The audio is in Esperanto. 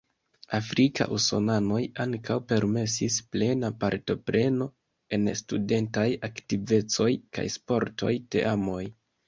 Afrika usonanoj ankaŭ permesis plena partopreno en studentaj aktivecoj kaj sportoj teamoj.